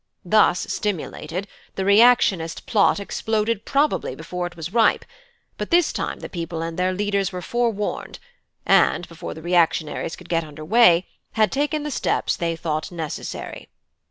"Thus stimulated, the reactionist plot exploded probably before it was ripe; but this time the people and their leaders were forewarned, and, before the reactionaries could get under way, had taken the steps they thought necessary.